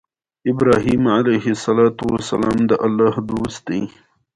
د کلي خلک ورسره خواږه کوي.